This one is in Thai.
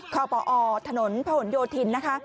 ข้อปอถนนพระหลโยธินนะคะ